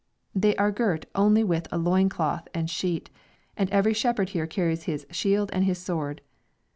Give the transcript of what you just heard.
They are girt only with a loin cloth and sheet, and every shepherd here carries his shield and his sword.